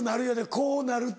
こうなると。